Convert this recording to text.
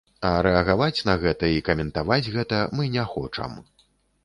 А рэагаваць на гэта і каментаваць гэта мы не хочам.